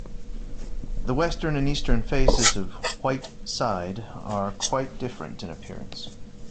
The western and eastern faces of White Side are quite different in appearance.